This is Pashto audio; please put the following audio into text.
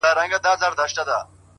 د قهر کاڼی پء ملا باندې راوښويدی-